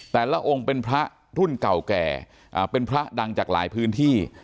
แต่ละองค์เป็นพระรุ่นเก่าแก่เป็นพระดังจากหลายพื้นที่